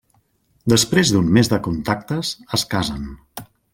Després d'un mes de contactes, es casen.